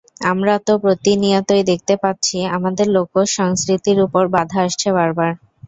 আমরা তো প্রতিনিয়তই দেখতে পাচ্ছি, আমাদের লোকজ সংস্কৃতির ওপর বাধা আসছে বারবার।